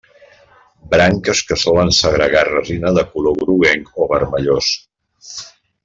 Branques que solen segregar resina de color groguenc o vermellós.